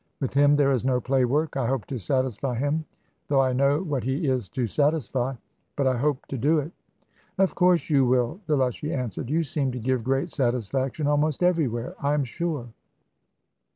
With him there is no play work. I hope to satisfy him, though I know what he is to satisfy. But I hope to do it." "Of course you will," Delushy answered. "You seem to give great satisfaction; almost everywhere, I am sure."